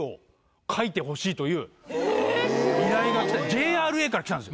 ＪＲＡから来たんすよ。